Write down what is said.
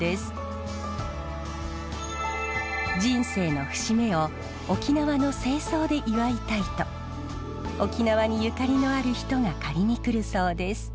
人生の節目を沖縄の正装で祝いたいと沖縄にゆかりのある人が借りに来るそうです。